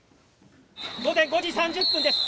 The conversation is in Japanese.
午前５時３０分です。